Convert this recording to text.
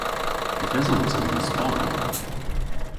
Yth esons i yn Spayn.